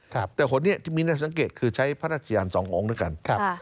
ครับแต่ขนาดนี้ที่มีนักสังเกตคือใช้พระราชยานสององค์ด้วยกันครับ